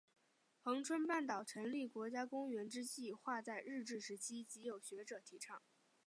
恒春半岛成立国家公园之计画在日治时期即有学者提倡。